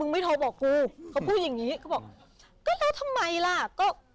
ไม่โทรบอกกูเขาพูดอย่างนี้เขาบอกก็แล้วทำไมล่ะก็